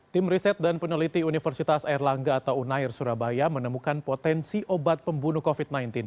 tim riset dan peneliti universitas airlangga atau unair surabaya menemukan potensi obat pembunuh covid sembilan belas